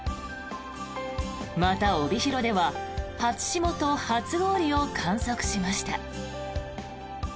また、帯広では初霜と初氷を観測しました。